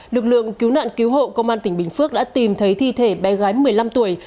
lực lượng cứu nạn cứu hộ công an tỉnh bình phước đã tìm thấy thi thể bé gái một mươi năm tuổi